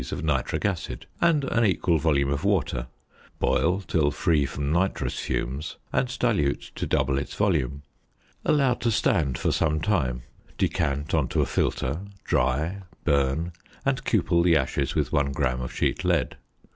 of nitric acid and an equal volume of water, boil till free from nitrous fumes, and dilute to double its volume. Allow to stand for some time, decant on to a filter, dry, burn, and cupel the ashes with 1 gram of sheet lead.